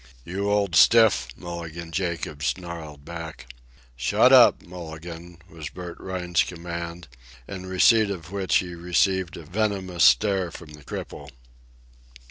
"You old stiff!" Mulligan Jacobs snarled back. "Shut up, Mulligan!" was Bert Rhine's command, in receipt of which he received a venomous stare from the cripple.